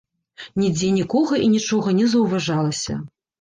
Нідзе нікога і нічога не заўважалася.